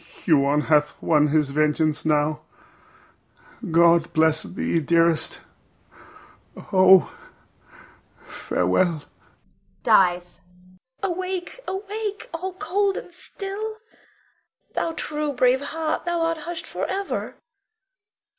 Huon hath won his vengeance now. God bless thee, dearest. Oh, farewell! [Dies.] Bianca. Awake! awake! All, cold and still! Thou true, brave heart, thou art hushed forever.